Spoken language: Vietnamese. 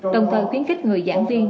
đồng thời khuyến khích người giảng viên